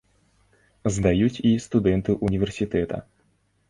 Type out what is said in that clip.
Здаюць і студэнты ўніверсітэта.